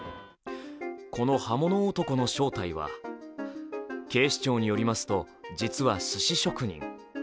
この刃物男の正体は、警視庁によりますと実はすし職人。